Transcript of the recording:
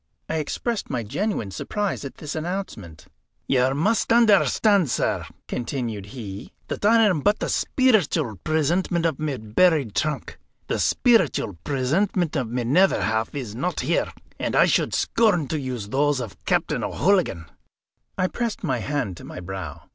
I expressed my genuine surprise at this announcement. "You must understand, sir," continued he, "that I am but the speeritual presentment of my buried trunk. The speeritual presentment of my nether half is not here, and I should scorn to use those of Captain O'Hooligan." I pressed my hand to my brow.